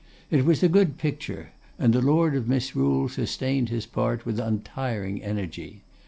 It was a good picture, and the Lord of Misrule sustained his part with untiring energy.